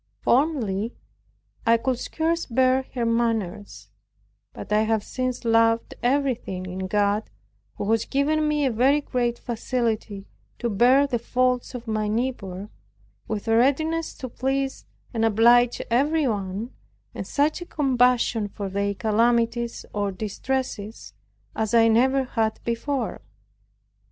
Formerly, I could scarce bear her manners; but I have since loved everything in God, who has given me a very great facility to bear the faults of my neighbor, with a readiness to please and oblige everyone and such a compassion for their calamities or distresses as I never had before.